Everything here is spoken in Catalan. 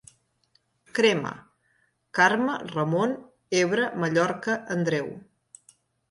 Crema: Carme, Ramon, Ebre, Mallorca, Andreu.